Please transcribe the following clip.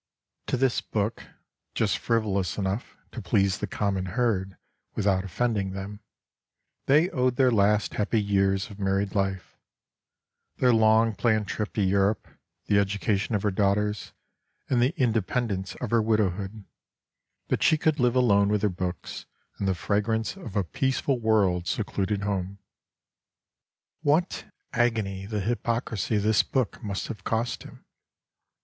To this book, just frivolous enough to please the common herd without offending them, they owed their last happy years of married life, their long planned trip to Europe, the education of her daughters, and the independence of her widowhood, that she could live alone with her books, in the fragrance of a peaceful world secluded home. What agony the hypocrisy of this book must have cost him